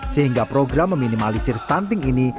sehingga program meminimalisir stunting ini